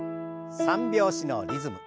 ３拍子のリズム。